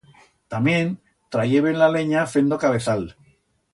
Tamién trayeben la lenya fendo cabezal.